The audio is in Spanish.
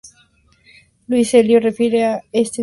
Luis Elío refiere este encierro en "Soledad de ausencia.